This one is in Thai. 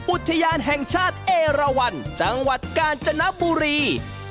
อุทยานแห่งชาติเอราวันจังหวัดกาญจนบุรี